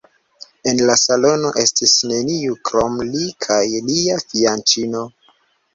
En la salono estis neniu krom li kaj lia fianĉino.